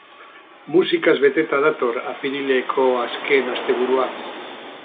Musikaz beteta dator apirileko azken asteburua!